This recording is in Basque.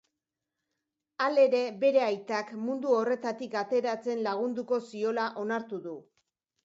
Halere, bere aitak mundu horretatik ateratzen lagundu ziola onartu du.